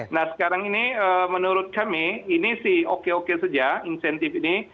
nah sekarang ini menurut kami ini sih oke oke saja insentif ini